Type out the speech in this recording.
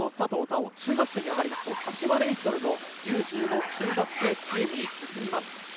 旺、中学生に上がると柏レイソルのＵ−１５、中学生チームに進みます。